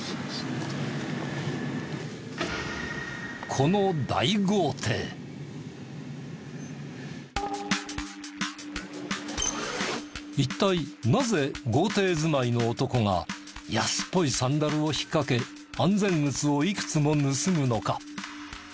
この一体なぜ豪邸住まいの男が安っぽいサンダルをひっかけ安全靴をいくつも盗むのか。